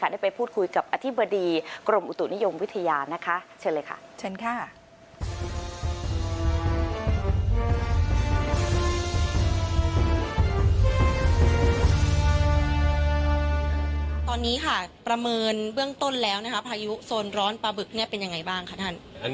ได้ไปพูดคุยกับอธิบดีกรมอุตุนิยมวิทยานะคะ